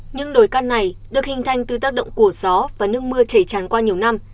những đồi căn này được hình thành từ tác động của gió và nước mưa chảy tràn qua nhiều năm